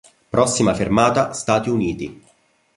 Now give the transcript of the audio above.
Prossima fermata: Stati Uniti.